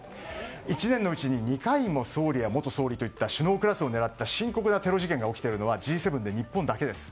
１年のうちに２回も総理や元総理といった首脳クラスを狙った深刻なテロ事件が起きているのはＧ７でも日本だけです。